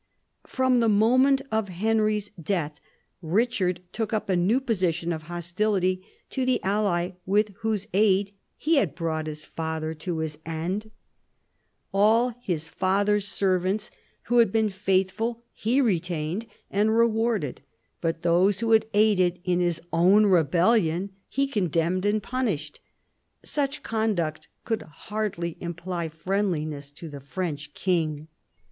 From the moment of Henry's death Richard took up a new position of hostility to the ally with whose aid he had brought his father to his end. All his 54 PHILIP AUGUSTUS chap. father's servants who had been faithful he retained and rewarded, but those who had aided in his own rebellion he contemned and punished. Such conduct could hardly imply friendliness to the French king.